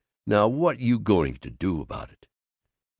Now what you going to do about it?"